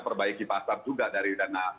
perbaiki pasar juga dari dana